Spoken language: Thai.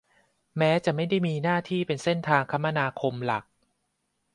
แม้จะไม่ได้มีหน้าที่เป็นเส้นทางคมนาคมหลัก